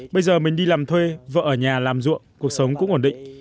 bây giờ mình đi làm thuê vợ ở nhà làm ruộng cuộc sống cũng ổn định